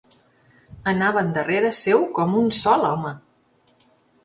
Anaven darrere seu com un sol home.